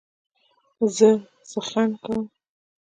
زه څخنک کوم.